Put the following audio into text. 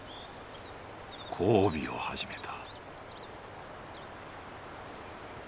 交尾を始めた。